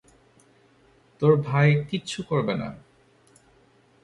তোর ভাই কিছু করবে না।